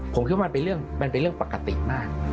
ผมคิดว่ามันเป็นเรื่องปกติมาก